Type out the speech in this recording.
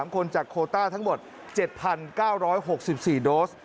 ๓คนจากโคต้าทั้งหมด๗๙๖๔โดส